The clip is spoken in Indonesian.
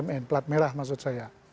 bank bumn pelat merah maksud saya